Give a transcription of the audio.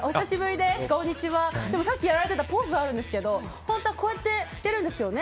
でもさっきやられてたポーズあるんですけど本当はこうやって出るんですよね